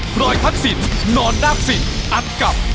ปล่อยทักษิตนอนนากศิษย์อัดกลับ